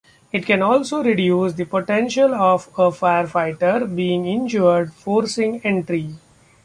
It can also reduce the potential of a firefighter being injured forcing entry.